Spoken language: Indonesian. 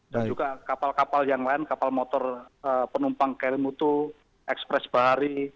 dan juga kapal kapal yang lain kapal motor penumpang kelimutu ekspres bahari